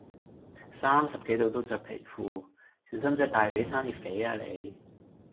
成三十幾度都著皮褲，小心隻大髀生熱痱呀你